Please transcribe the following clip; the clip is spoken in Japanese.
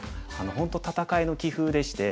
本当戦いの棋風でして。